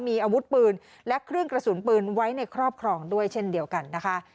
มีอาวุธปืนและเครื่องกระสุนปืนไว้ในครอบครองด้วยเช่นเดียวกันนะคะ